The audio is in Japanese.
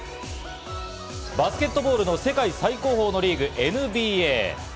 バスケットボールの世界最高峰のリーグ、ＮＢＡ。